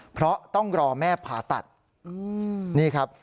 เพราะต้องรอแม่ผ่าตัดนี่ครับ